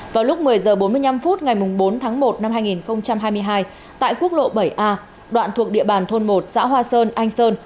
vào lúc một mươi h bốn mươi năm phút ngày bốn tháng một năm hai nghìn hai mươi hai tại quốc lộ bảy a đoạn thuộc địa bàn thôn một xã hoa sơn anh sơn